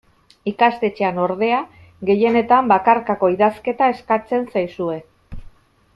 Ikastetxean, ordea, gehienetan bakarkako idazketa eskatzen zaizue.